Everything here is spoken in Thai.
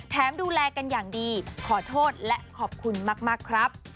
ดูแลกันอย่างดีขอโทษและขอบคุณมากครับ